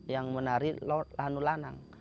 yang menari lahan lanang